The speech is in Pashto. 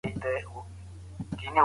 ایا تاسو د څېړني په ارزښت پوهیږئ؟